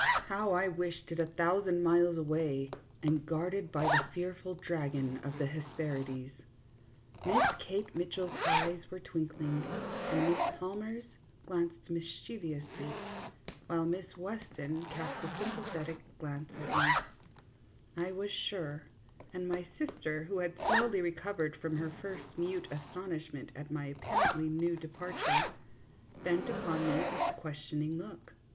How I wished it a thousand miles away, and guarded by the fearful dragon of the Hesperides ! Miss Kate Mitchell's eyes were twinkling, and Miss Palmer's glanced mischievously, while Miss Weston cast a sympathetic glance at me, I was sure, and my sister, who had slowly recovered from her first mute astonishment at my apparently new departure, bent upon me a questioning look.